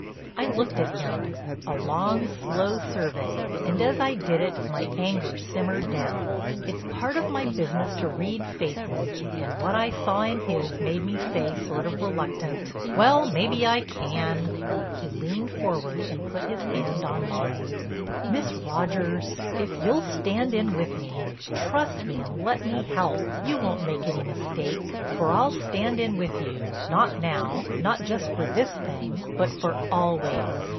I looked at him, a long, slow survey, and as I did it my anger simmered down. It's part of my business to read faces and what I saw in his made me say sort of reluctant: "Well, maybe I can." He leaned forward and put his hand on mine. "Miss Rogers, if you'll stand in with me, trust me and let me help, you won't make any mistake. For I'll stand in with you, not now, not just for this thing, but for always.